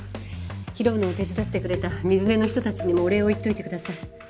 拾うのを手伝ってくれた水根の人たちにもお礼を言っておいてください。